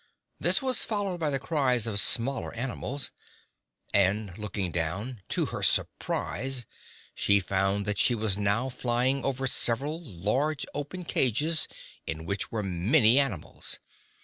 This was followed by the cries of smaller animals. And looking down, to her surprise, she found that she was now flying over several large, open cages, in which were many animals.